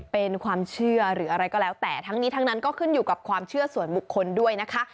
เป็นความเชื่อหรืออะไรก็แล้วแต่ทั้งนี้ทั้งนั้นก็ขึ้นอยู่กับความเชื่อส่วนบุคคลด้วยนะคะ